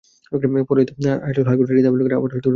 পরাজিত ফজলুল হাইকোর্টে রিট আবেদন করে আবার ভোট গণনার আবেদন করেন।